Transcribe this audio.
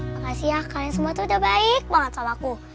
makasih ya kalian semua sudah baik banget sama aku